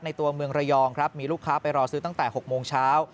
ตัวเมืองระยองครับมีลูกค้าไปรอซื้อตั้งแต่๖โมงเช้า